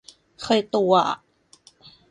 เคยตัวอะ